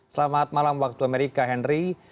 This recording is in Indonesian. selamat malam waktu amerika henry